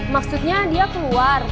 maksudnya dia keluar